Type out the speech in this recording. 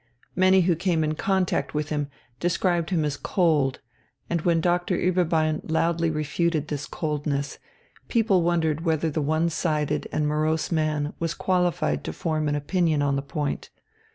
Many who came in contact with him described him as "cold"; and when Doctor Ueberbein loudly refuted this "coldness," people wondered whether the one sided and morose man was qualified to form an opinion on the point.